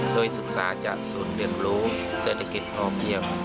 โดยศึกษาจากศูนย์เรียนรู้เศรษฐกิจพอเพียง